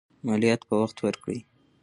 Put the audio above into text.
مالیات په وخت ورکړئ.